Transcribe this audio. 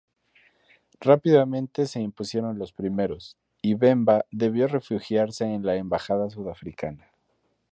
Rápidamente se impusieron los primeros y Bemba debió refugiarse en la embajada sudafricana.